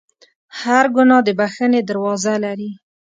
هر ګناه د بخښنې دروازه لري.